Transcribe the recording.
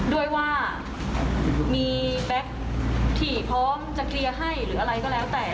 ด้วยว่ามีแบ็คที่พร้อมจะเคลียร์ให้หรืออะไรก็แล้วแต่